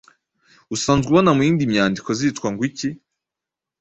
usanzwe ubona mu yindi myandiko? Zitwa ngo iki?